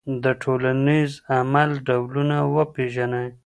د ټولنیز عمل ډولونه وپېژنئ.